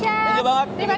thank you banget